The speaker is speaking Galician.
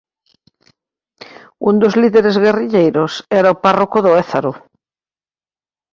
Un dos líderes guerrilleiros era o párroco do Ézaro.